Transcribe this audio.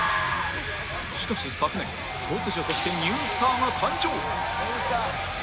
しかし昨年突如としてニュースターが誕生！